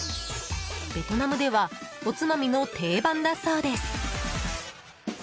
ベトナムではおつまみの定番だそうです。